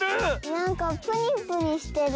なんかプニプニしてる。